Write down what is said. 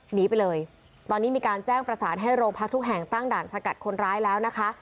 หนีไปเลยตอนนี้มีการแจ้งประสานให้โรงพักทุกแห่งตั้งด่านสกัดคนร้ายแล้วนะคะ